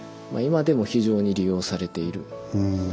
今でも非常に利用されている。